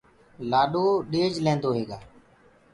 لآڏو ڏيج لينٚدوئي هيگآ